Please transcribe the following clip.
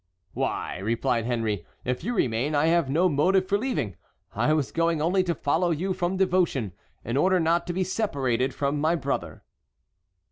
"Why!" replied Henry, "if you remain, I have no motive for leaving. I was going only to follow you from devotion, in order not to be separated from my brother."